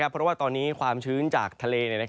เพราะว่าตอนนี้ความชื้นจากทะเล